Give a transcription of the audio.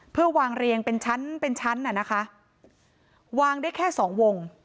เพื่อวางเรียงเป็นชั้นเป็นชั้นน่ะนะคะวางได้แค่สองวง